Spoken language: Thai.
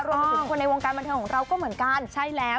รวมไปถึงคนในวงการบันเทิงของเราก็เหมือนกันใช่แล้ว